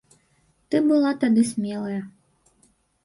Ты была тады смелая.